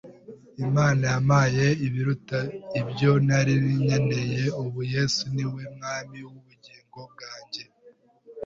Imana yampaye ibiruta ibyo nari nkeneye! Ubu Yesu ni We Mwami w’ubugingo bwanjye